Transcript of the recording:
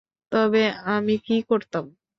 তবে আমি কী করতাম?